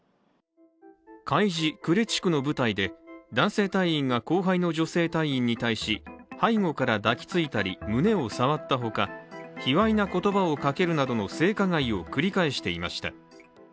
海自・呉地区の部隊で、男性隊員が後輩の女性隊員に対し、背後から抱きついたり胸を触ったほか卑わいな言葉をかけるなどの性加害問題を繰り返していました。